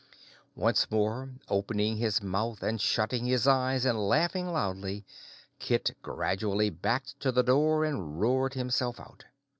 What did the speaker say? Once more opening his mouth and shutting his eyes and laughing loudly, Kit gradually backed to the door and roared himself out.